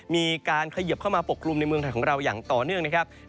มีการเขยิบเข้ามาปกกลุ่มในเมืองไทยของเราอย่างต่อเนื่องนะครับ